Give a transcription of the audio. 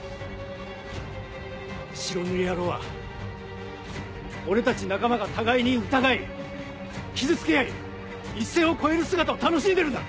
白塗り野郎は俺たち仲間が互いに疑い傷つけ合い一線を越える姿を楽しんでるんだ。